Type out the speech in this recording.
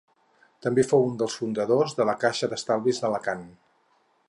També fou un dels fundadors de la Caixa d'Estalvis d'Alacant.